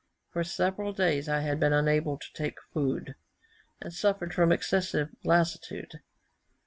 For several days I had been unable to take any food, and suffered from excessive lassitude.